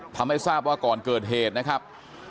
ทำให้ทราบว่าก่อนเกิดเหตุนะครับ